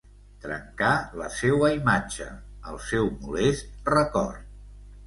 Trencar la seua imatge, el seu molest record.